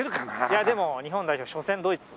いやでも日本代表初戦ドイツ。